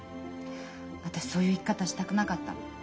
私そういう生き方したくなかったの。